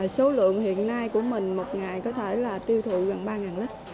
số lượng hiện nay của mình một ngày có thể là tiêu thụ gần ba lít